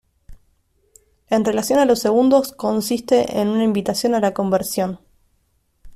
En relación a los segundos consiste en una invitación a la conversión.